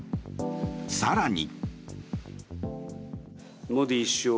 更に。